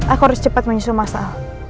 aku harus cepat menyusul mas al